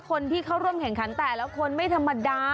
คนที่เข้าร่วมแข่งขันแต่ละคนไม่ธรรมดา